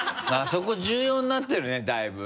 そこ重要になってるねだいぶ。